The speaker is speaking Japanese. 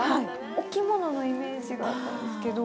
お着物のイメージがあったんですけど。